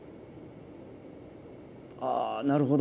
あなるほど。